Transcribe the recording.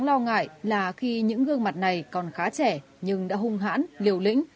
tôi không ngại là khi những gương mặt này còn khá trẻ nhưng đã hung hãn liều lĩnh